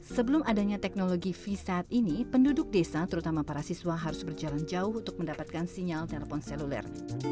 sebelum adanya teknologi v saat ini penduduk desa terutama para siswa harus berjalan jauh untuk mendapatkan sinyal telepon seluler